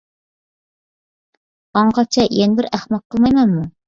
ئاڭغىچە يەنە بىر ئەخمەق قىلمايمەنمۇ!